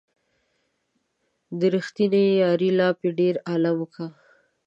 د ريښتينې يارۍ لاپې ډېر عالم کا